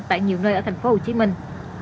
tại nhiều nơi ở thành phố hồ chí minh